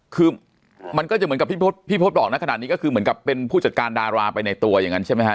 คือมันก็จะเหมือนกับพี่พศบอกนะขนาดนี้ก็คือเหมือนกับเป็นผู้จัดการดาราไปในตัวอย่างนั้นใช่ไหมฮะ